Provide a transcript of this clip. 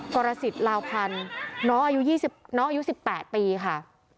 กฎระสิทธิ์ลาวพันธุ์เท้าน้องอายุ๑๘ปีค่ะ